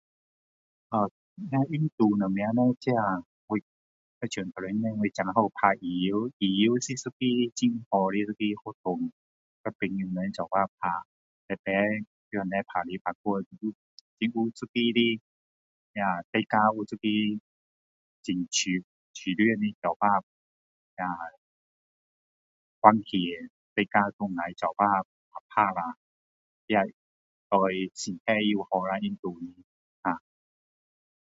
啊这运动什么咯会像刚才我才讲打羽球羽球是一个很好的一个活动跟朋友人一起打排排在那里打来打去很有一个的大家有一个的很舒舒服的一起那大家还能够一起打打下那对身体很好啦运动